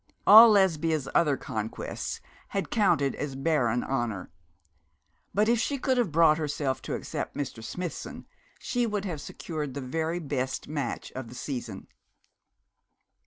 All Lesbia's other conquests had counted as barren honour; but if she could have brought herself to accept Mr. Smithson she would have secured the very best match of the season.